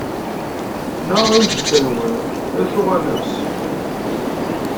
Neɣ i lǧetta-nwen: D acu ara nels?